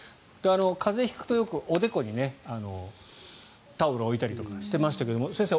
風邪を引くと、よくおでこにタオルを置いたりとかしていましたが先生